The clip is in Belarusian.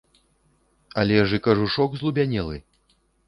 Але ж і кажушок злубянелы!